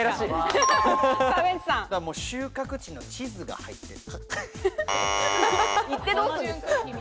収穫地の地図が入ってる。